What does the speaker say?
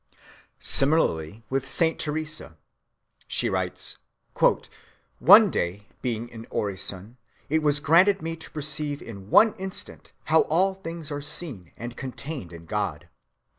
(253) Similarly with Saint Teresa. "One day, being in orison," she writes, "it was granted me to perceive in one instant how all things are seen and contained in God.